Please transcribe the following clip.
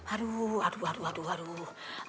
aduh aduh aduh aduh aduh